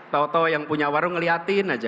tau tau yang punya warung ngeliatin aja